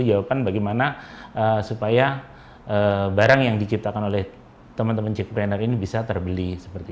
jawaban bagaimana supaya barang yang diciptakan oleh teman teman jackpreneur ini bisa terbeli